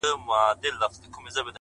هره شېبه نوی فرصت زېږوي.!